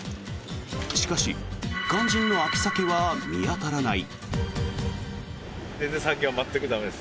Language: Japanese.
しかし、肝心の秋サケは見当たらない。